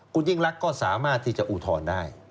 คุณยิ่งรักก็สามารถที่จะอุทธรณ์ได้